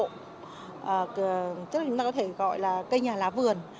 chắc là chúng ta có thể gọi là cây nhà lá vườn